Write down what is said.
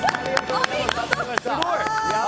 お見事！